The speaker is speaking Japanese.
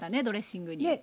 ドレッシングに。